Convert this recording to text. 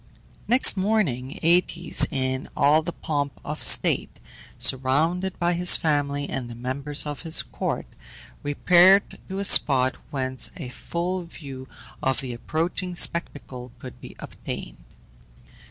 Next morning Aëtes, in all the pomp of state, surrounded by his family and the members of his court, repaired to a spot whence a full view of the approaching spectacle could be obtained.